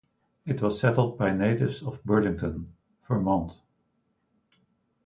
It was settled by natives of Burlington, Vermont.